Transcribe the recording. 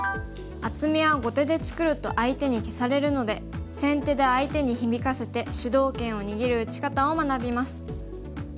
厚みは後手で作ると相手に消されるので先手で相手に響かせて主導権を握る打ち方を学びます。